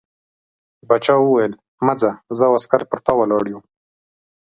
باچا وویل مه ځه زه او عسکر پر تا ولاړ یو.